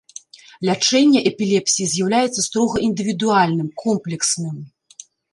Лячэнне эпілепсіі з'яўляецца строга індывідуальным, комплексным.